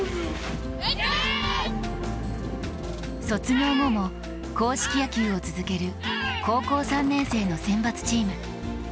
卒業後も硬式野球を続ける高校３年生の選抜チーム。